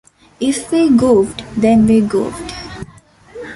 If we goofed, then we goofed.